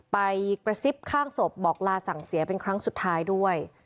ไปกระซิบข้างศพบอกลาสั่งเสียเป็นครั้งสุดท้ายด้วย